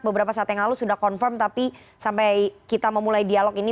beberapa saat yang lalu sudah confirm tapi sampai kita memulai dialog ini